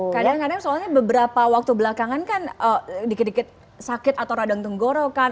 kadang kadang soalnya beberapa waktu belakangan kan dikit dikit sakit atau radang tenggorokan